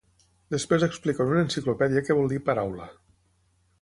Després explico en una enciclopèdia què vol dir 'paraula'.